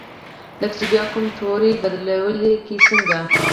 لکه چې بیا کوم توری بدلوي که څنګه؟